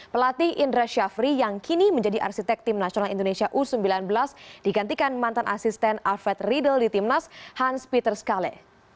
pelatih indra syafri yang kini menjadi arsitek tim nasional indonesia u sembilan belas digantikan mantan asisten alfred riedel di timnas hans peter skale